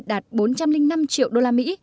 đạt bốn trăm linh năm triệu usd